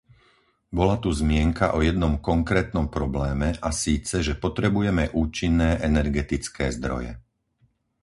Bola tu zmienka o jednom konkrétnom probléme, a síce, že potrebujeme účinné energetické zdroje.